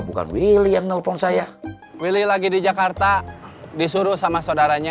bukan willy yang nelfon saya milih lagi di jakarta disuruh sama saudaranya